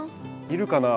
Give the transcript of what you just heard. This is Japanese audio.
いるかな？